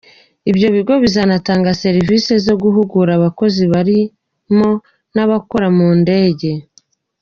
Ibyo bigo bizanatanga serivisi zo guhugura abakozi barimo n’abakora mu ndege.